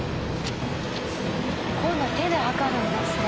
今度は手で測るんですね。